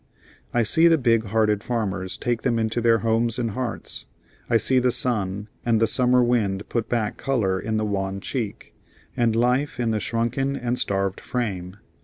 I see the big hearted farmers take them into their homes and hearts. I see the sun and the summer wind put back color in the wan cheek, and life in the shrunken and starved frame.